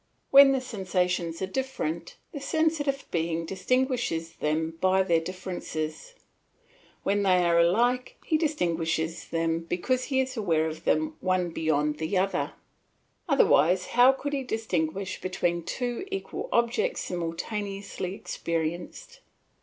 When the sensations are different, the sensitive being distinguishes them by their differences; when they are alike, he distinguishes them because he is aware of them one beyond the other. Otherwise, how could he distinguish between two equal objects simultaneously experienced?